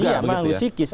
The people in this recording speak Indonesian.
iya mengganggu sikis